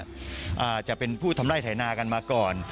อาจจะเป็นผู้ทำไล่ไถนากันมาก่อน